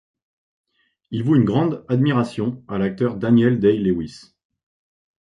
Il voue une grande admiration à l'acteur Daniel Day-Lewis.